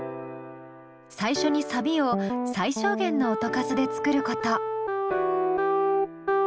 最初にサビを最小限の音数で作ること。